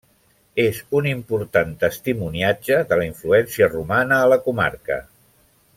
És un important testimoniatge de la influència romana a la comarca.